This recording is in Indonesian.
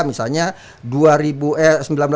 misalnya dua ribu eh seribu sembilan ratus sembilan puluh enam